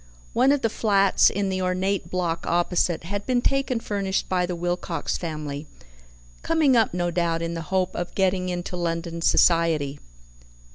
One of the flats in the ornate block opposite had been taken furnished by the Wilcox family, "coming up, no doubt, in the hope of getting into London society."